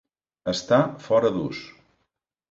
Està fora d'ús.